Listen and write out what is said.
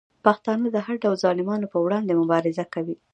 پښتانه د هر ډول ظالمانو په وړاندې مبارزه کوي.